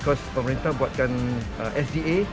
karena pemerintah membuatkan sda